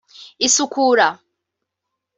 isukura